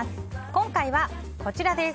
今回はこちらです。